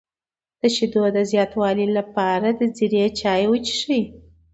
د شیدو د زیاتوالي لپاره د زیرې چای وڅښئ